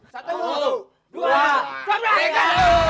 satu dua tiga